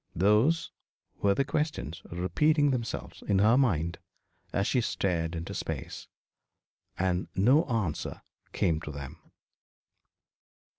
Those were the questions repeating themselves in her mind as she stared into space. And no answer came to them.